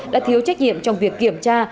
đã thiếu trách nhiệm trong việc kiểm tra